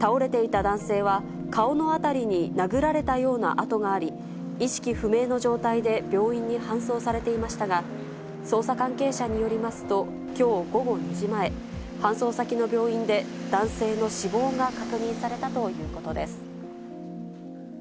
倒れていた男性は顔の辺りに殴られたような痕があり、意識不明の状態で病院に搬送されていましたが、捜査関係者によりますと、きょう午後２時前、搬送先の病院で男性の死亡が確認されたということです。